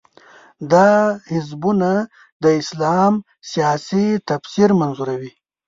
دا حزبونه د اسلام سیاسي تفسیر منظوروي.